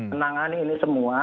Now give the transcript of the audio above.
menangani ini semua